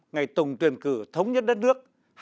ngày tổng tuyển cử thống nhất đất nước